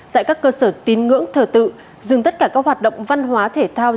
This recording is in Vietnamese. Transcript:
tại các cơ sở tín ngưỡng thờ tự dừng tất cả các hoạt động văn hóa thể thao